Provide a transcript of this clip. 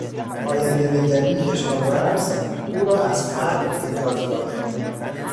آیندهنگری کشاورز او را از فقر نجات داد.